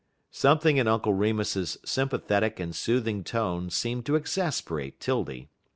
Something in Uncle Remus's sympathetic and soothing tone seemed to exasperate 'Tildy.